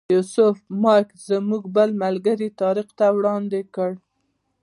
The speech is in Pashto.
یوسف مایک زموږ بل ملګري طارق ته وړاندې کړ.